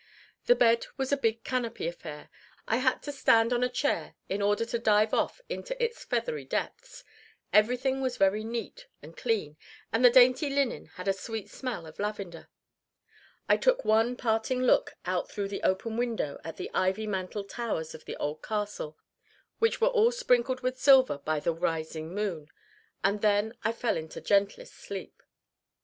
The bed was a big canopy affair I had to stand on a chair in order to dive off into its feathery depths everything was very neat and clean, and the dainty linen had a sweet smell of lavender. I took one parting look out through the open window at the ivy mantled towers of the old castle, which were all sprinkled with silver by the rising moon, and then I fell into gentlest sleep.